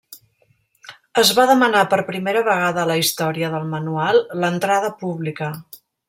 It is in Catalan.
Es va demanar per primera vegada a la història del manual l'entrada pública.